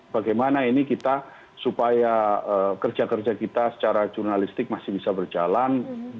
bagaimana ini kita supaya kerja kerja kita secara jurnalistik masih bisa berjalan